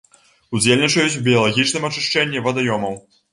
Удзельнічаюць у біялагічным ачышчэнні вадаёмаў.